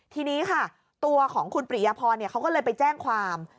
ทีนี้ค่ะตัวของคุณปริยพรเขาก็เลยไปแจ้งความ